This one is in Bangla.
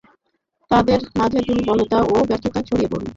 তাদের মাঝে দুর্বলতা ও ব্যর্থতা ছড়িয়ে পড়ল।